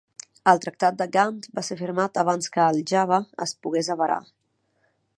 El Tractat de Gant va ser firmat abans que el "Java" es pogués avarar.